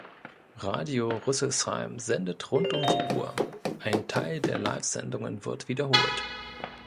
Radio Rüsselsheim sendet rund um die Uhr, ein Teil der Livesendungen wird wiederholt.